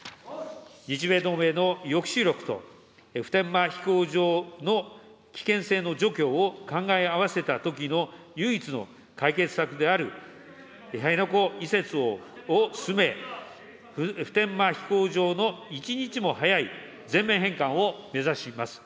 日米同盟の抑止力と普天間飛行場の危険性の除去を考え合わせたときの唯一の解決策である辺野古移設を進め、普天間飛行場の一日も早い全面返還を目指します。